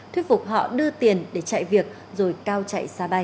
thuyết phục họ đưa tiền để chạy việc rồi cao chạy xa bay